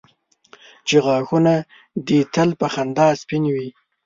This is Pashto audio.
چې غاښونه دي تل په خندا سپین وي.